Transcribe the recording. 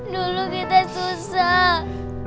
dulu kita susah